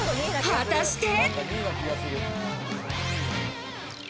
果たして。